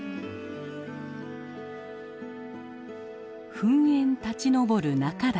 噴煙立ち上る中岳。